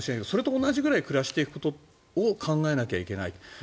それと同じぐらい暮らしていくことを考えなきゃいけない。